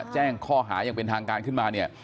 แจ้งข้อหายังเป็นทางการขึ้นมาเนี่ย